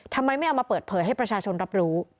ทำไมไม่เอามาเปิดเผยให้ประชาชนรับรู้